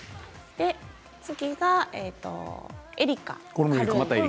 次がエリカです。